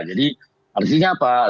jadi artinya apa